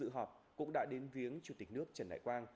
dự họp cũng đã đến viếng chủ tịch nước trần đại quang